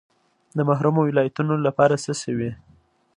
د محرومو ولایتونو لپاره څه شوي؟